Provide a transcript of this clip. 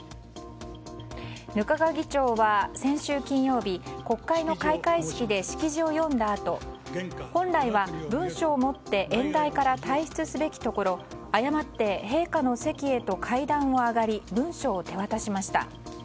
額賀議長は先週金曜日国会の開会式で式辞を読んだあと本来は、文書を持って演壇から退出するべきところ誤って陛下の席へと階段を上がり文書を手渡しました。